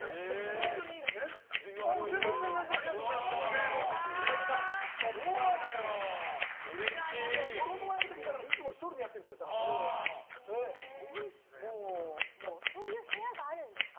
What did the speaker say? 本当にいいんですね？